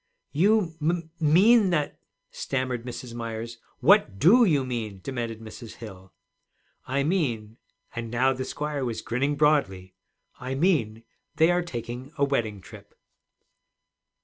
'You m m mean that ' stammered Mrs. Myers. 'What do you mean?' demanded Mrs. Hill. 'I mean,' and now the squire was grinning broadly, 'I mean they are taking a wedding trip.'